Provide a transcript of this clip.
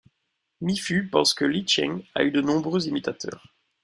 Mi Fu pense que Li Cheng a eu de nombreux imitateurs.